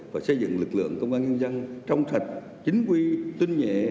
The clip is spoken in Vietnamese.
và xây dựng lực lượng công an nhân dân trong thạch chính quy tuyên nhẹ